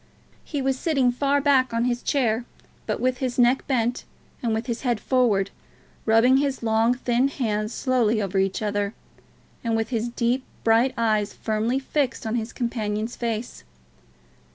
He was sitting far back on his chair, but with his neck bent and with his head forward, rubbing his long thin hands slowly over each other, and with his deep bright eyes firmly fixed on his companion's face.